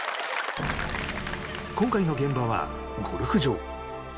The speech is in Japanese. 今回の現場はゴルフ場